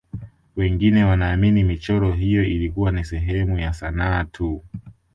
wengine wanaamini michoro hiyo ilikuwa ni sehemu ya sanaa tu